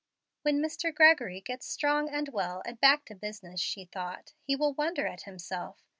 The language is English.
"When Mr. Gregory gets strong and well and back to business," she thought, "he will wonder at himself.